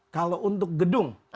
kalau untuk gedung